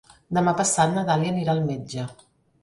Demà passat na Dàlia anirà al metge.